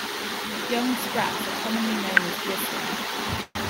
Young sprats are commonly known as brisling.